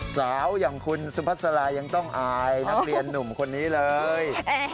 อย่างคุณสุภาษาลายังต้องอายนักเรียนหนุ่มคนนี้เลย